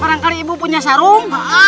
barangkali ibu punya sarung